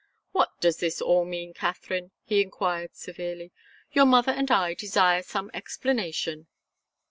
"What does this all mean, Katharine?" he enquired, severely. "Your mother and I desire some explanation."